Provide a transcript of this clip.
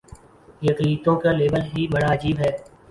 یہ اقلیتوں کا لیبل ہی بڑا عجیب ہے۔